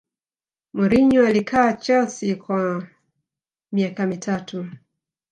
mourinho alikaa chelsea kwa miaka mitatu